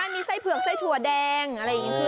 มีไส้เผือกไส้ถั่วแดงอะไรอย่างนี้พี่